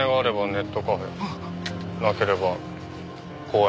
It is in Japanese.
なければ公園。